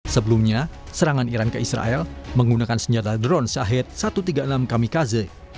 sebelumnya serangan iran ke israel menggunakan senjata drone syahid satu ratus tiga puluh enam kamikaze